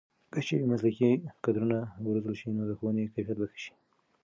که چېرې مسلکي کدرونه وروزل شي نو د ښوونې کیفیت به ښه شي.